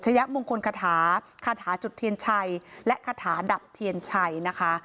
ยะมงคลคาถาคาถาจุดเทียนชัยและคาถาดับเทียนชัยนะคะ